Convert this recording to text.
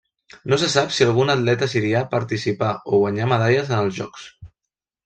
No se sap si algun atleta sirià participà o guanyà medalles en els Jocs.